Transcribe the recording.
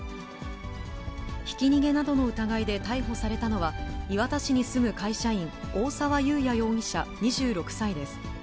ひき逃げなどの疑いで逮捕されたのは、磐田市に住む会社員、大澤勇弥容疑者２６歳です。